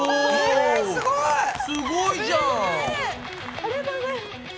ありがとうございます。